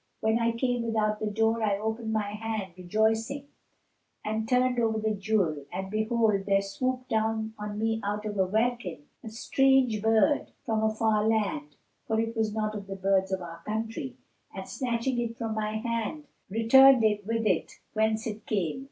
When I came without the door, I opened my hand, rejoicing, and turned over the jewel, when, behold, there swooped down on me out of the welkin a strange bird from a far land (for it was not of the birds of our country) and, snatching it from my hand, returned with it whence it came.